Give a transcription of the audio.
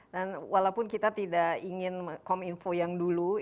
dan walaupun kita tidak ingin kominfo yang dulu